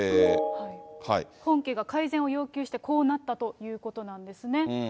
本家が改善を要求してこうなったということなんですね。